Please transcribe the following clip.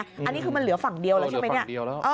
อันนี้คือมันเหลือฝั่งเดียวแล้วใช่ไหมเนี่ย